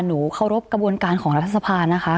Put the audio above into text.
เคารพกระบวนการของรัฐสภานะคะ